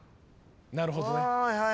なるほどね。